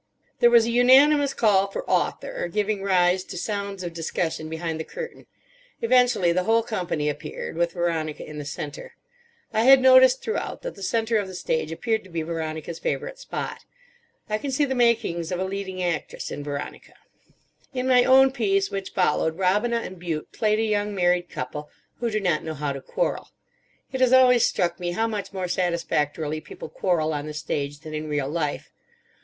There was a unanimous call for Author, giving rise to sounds of discussion behind the curtain. Eventually the whole company appeared, with Veronica in the centre. I had noticed throughout that the centre of the stage appeared to be Veronica's favourite spot. I can see the makings of a leading actress in Veronica. In my own piece, which followed, Robina and Bute played a young married couple who do not know how to quarrel. It has always struck me how much more satisfactorily people quarrel on the stage than in real life.